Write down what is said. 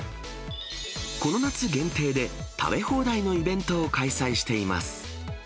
この夏限定で食べ放題のイベントを開催しています。